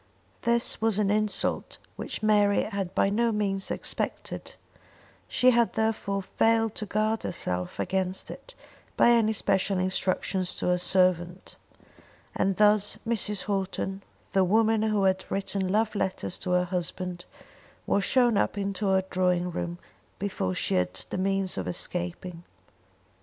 This was an insult which Mary had by no means expected; she had therefore failed to guard herself against it by any special instructions to her servant. And thus Mrs. Houghton, the woman who had written love letters to her husband, was shown up into her drawing room before she had the means of escaping.